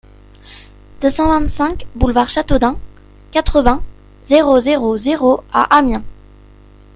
deux cent vingt-cinq boulevard Chateaudun, quatre-vingts, zéro zéro zéro à Amiens